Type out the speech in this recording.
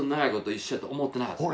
一緒だと思ってなかった？